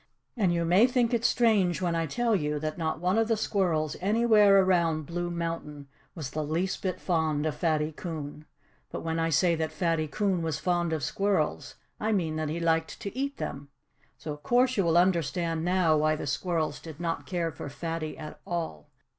And you may think it strange when I tell you that not one of the squirrels anywhere around Blue Mountain was the least bit fond of Fatty Coon. But when I say that Fatty Coon was fond of squirrels, I mean that he liked to eat them. So of course you will understand now why the squirrels did not care for Fatty at all.